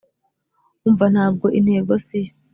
umva ntabwo intego siyo;